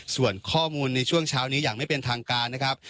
ส่วนข้อมูลในช่วงเช้านี้อย่างไม่เป็นทางการนะครับ